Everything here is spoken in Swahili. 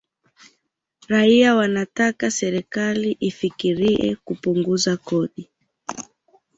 Raia wanataka serikali ifikirie kupunguza kodi